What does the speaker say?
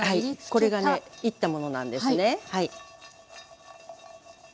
これがねいったものなんですねはい。